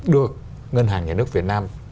được ngân hàng nhà nước việt nam